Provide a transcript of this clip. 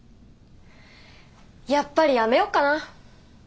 やっぱりやめよっかな。